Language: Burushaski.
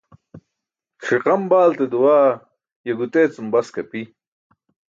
Ṣiqam baalte duwaa ye gutee cum bask api.